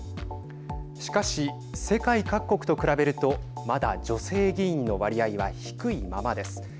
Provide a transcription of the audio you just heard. しかし、世界各国と比べるとまだ女性議員の割合は低いままです。